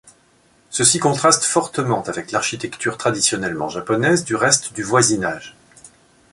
Ceci contraste fortement avec l’architecture traditionnellement japonaise du reste du voisinage.